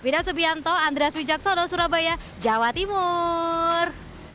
di pasuijak solo surabaya jawa timur